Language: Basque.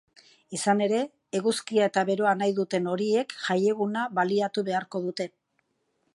Izan ere, eguzkia eta beroa nahi duten horiek jaieguna baliatu beharko dute.